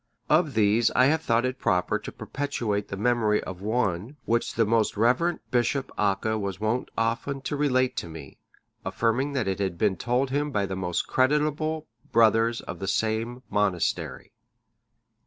Of these I have thought it proper to perpetuate the memory of one which the most reverend Bishop Acca(626) was wont often to relate to me, affirming that it had been told him by most creditable brothers of the same monastery.